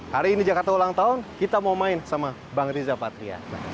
hari ini jakarta ulang tahun kita mau main sama bang riza patria